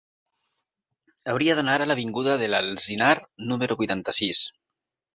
Hauria d'anar a l'avinguda de l'Alzinar número vuitanta-sis.